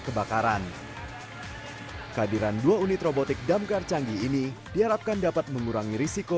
kebakaran kehadiran dua unit robotik damkar canggih ini diharapkan dapat mengurangi risiko